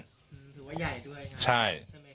หนูคือว่าใหญ่ด้วย